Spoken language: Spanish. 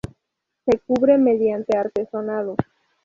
Se cubre mediante artesonado.